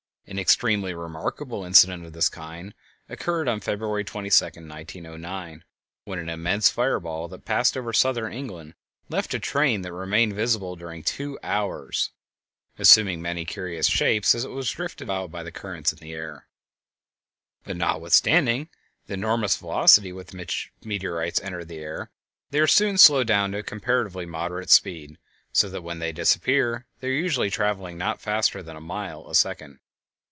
An extremely remarkable incident of this kind occurred on February 22, 1909, when an immense fire ball that passed over southern England left a train that remained visible during two hours, assuming many curious shapes as it was drifted about by currents in the air. [Illustration: A meteor photographed in flight] But notwithstanding the enormous velocity with which meteorites enter the air they are soon slowed down to comparatively moderate speed, so that when they disappear they are usually traveling not faster than a mile a second.